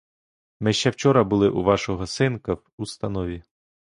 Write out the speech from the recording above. Ми ще вчора були у вашого синка в установі.